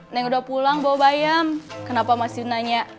neng udah pulang bawa bayam kenapa masih nanya